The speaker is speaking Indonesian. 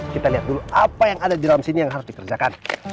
kita lihat dulu apa yang ada di dalam sini yang harus dikerjakan